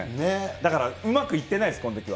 だから、うまくいってないです、このときは。